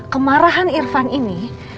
kemarahan irfan ini